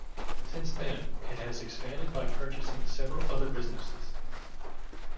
Since then, it has expanded by purchasing several other businesses.